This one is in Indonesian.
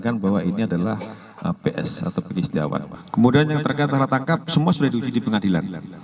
tidak ada salah tangkap semua sudah diuji di pengadilan